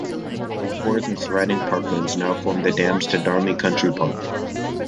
The reservoirs and surrounding parklands now form the Dams to Darnley Country Park.